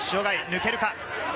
抜けるか？